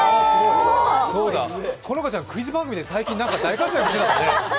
そうだ、好花ちゃん、クイズ番組で最近大活躍してたよね。